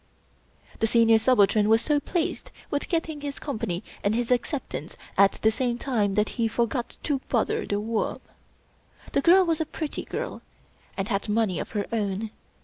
The Senior Subaltern was so pleased with getting his Company and his acceptance at the same time that he for got to bother The Worm. The girl was a pretty girl, and had money of her own.